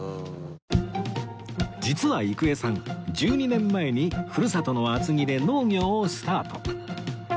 実は郁恵さん１２年前にふるさとの厚木で農業をスタート